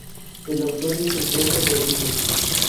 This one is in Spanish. El autor es Alfredo Rodríguez.